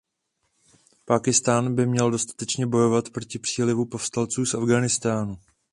Pákistán by měl dostatečně bojovat proti přílivu povstalců z Afghánistánu.